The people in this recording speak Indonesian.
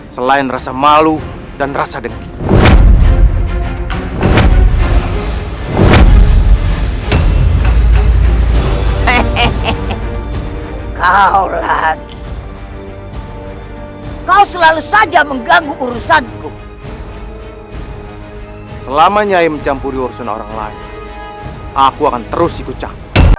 selamanya saya mencampuri urusan orang lain aku akan terus ikut cah